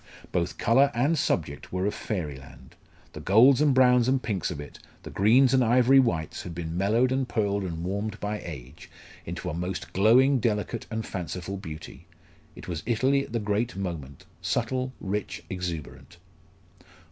Both colour and subject were of fairyland. The golds and browns and pinks of it, the greens and ivory whites had been mellowed and pearled and warmed by age into a most glowing, delicate, and fanciful beauty. It was Italy at the great moment subtle, rich, exuberant.